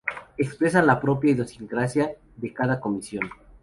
Expresan la propia idiosincrasia de cada comisión.